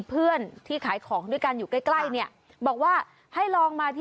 เพื่อนที่ขายของด้วยกันอยู่ใกล้ใกล้เนี่ยบอกว่าให้ลองมาที่